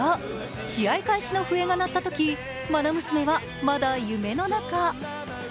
試合開始の笛が鳴ったとき、まな娘はまだ夢の中。